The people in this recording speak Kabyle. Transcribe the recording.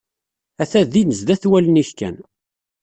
Ata din zzat wallen-ik kan.